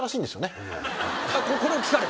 これを聞かれて？